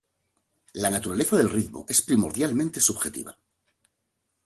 La naturaleza del ritmo es primordialmente subjetiva.